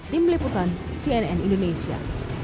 tim peliputan cnn indonesia